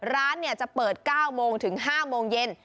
ร้านจะเปิด๙โมงถึง๕โมงเย็น